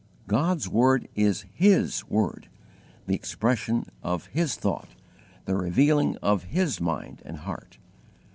God's word is His WORD the expression of His thought, the revealing of His mind and heart.